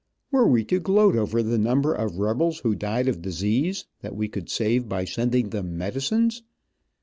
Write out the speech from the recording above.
Were we to gloat over the number of rebels who died of disease, that we could save by sending them medicines?